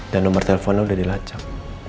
dan nomor teleponnya udah dilacak